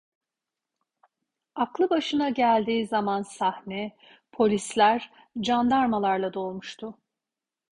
Aklı başına geldiği zaman sahne, polisler, candarmalarla dolmuştu…